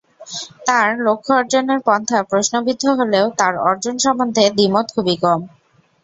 তাঁর লক্ষ্য অর্জনের পন্থা প্রশ্নবিদ্ধ হলেও তাঁর অর্জন সম্বন্ধে দ্বিমত খুবই কম।